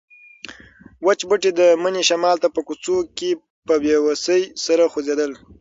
وچ بوټي د مني شمال ته په کوڅه کې په بې وسۍ سره خوځېدل.